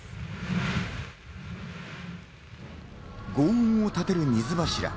轟音を立てる水柱。